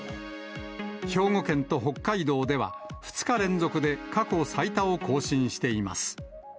兵庫県と北海道では、２日連続で過去最多を更新しています。